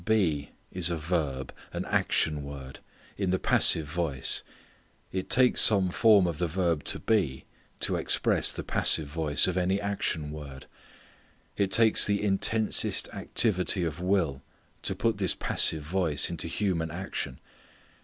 Be is a verb, an action word, in the passive voice. It takes some form of the verb to be to express the passive voice of any action word. It takes the intensest activity of will to put this passive voice into human action.